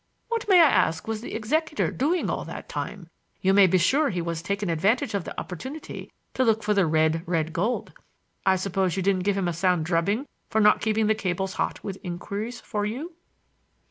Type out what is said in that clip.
What, may I ask, was the executor doing all that time? You may be sure he was taking advantage of the opportunity to look for the red, red gold. I suppose you didn't give him a sound drubbing for not keeping the cables hot with inquiries for you?"